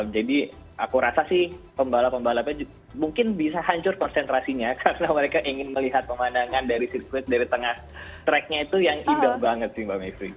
jadi aku rasa pembalap pembalapnya mungkin bisa hancur konsentrasinya karena mereka ingin melihat pemandangan dari sirkuit dari tengah tracknya itu yang indah banget sih mbak meprika